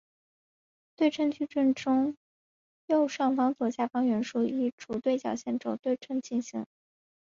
对称矩阵中的右上至左下方向元素以主对角线为轴进行对称。